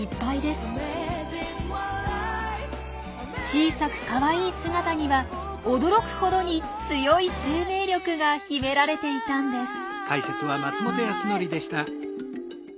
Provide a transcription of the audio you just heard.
小さくかわいい姿には驚くほどに強い生命力が秘められていたんです。